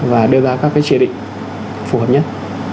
và đưa ra các chế định phù hợp nhất